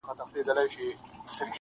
د ساقي د میوناب او د پیالو دی,